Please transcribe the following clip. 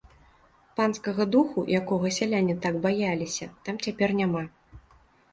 Панскага духу, якога сяляне так баяліся, там цяпер няма.